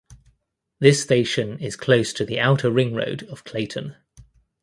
This station is close to the outer ring road of Klaten.